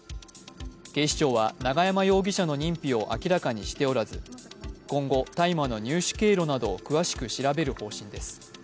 警視庁は永山容疑者の認否を明らかにしておらず、今後、大麻の入手経路などを詳しく調べる方針です。